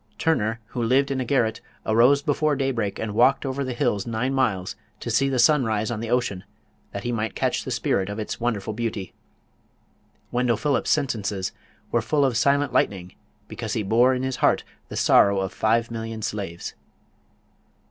Turner, who lived in a garret, arose before daybreak and walked over the hills nine miles to see the sun rise on the ocean, that he might catch the spirit of its wonderful beauty. Wendell Phillips' sentences were full of "silent lightning" because he bore in his heart the sorrow of five million slaves.